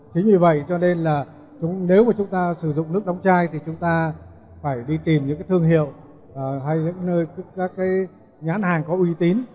chính vì vậy cho nên là nếu mà chúng ta sử dụng nước đóng chai thì chúng ta phải đi tìm những cái thương hiệu hay những nơi các cái nhãn hàng có uy tín